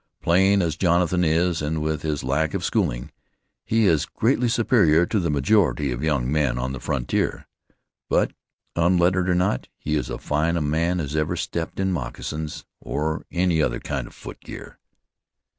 Plain as Jonathan is, and with his lack of schooling, he is greatly superior to the majority of young men on the frontier. But, unlettered or not, he is as fine a man as ever stepped in moccasins, or any other kind of foot gear."